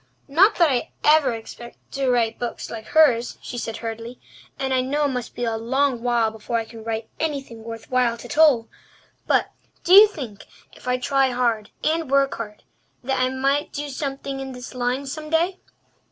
"Not that I expect ever to write books like hers," she said hurriedly, "and I know it must be a long while before I can write anything worth while at all. But do you think—if I try hard and work hard—that I might do something in this line some day?"